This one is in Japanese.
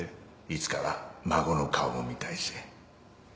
いつかは孫の顔も見たいし。